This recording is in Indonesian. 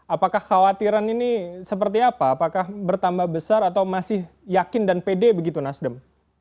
apakah khawatiran ini seperti apa apakah bertambah besar atau masih yakin dan pede begitu nasdem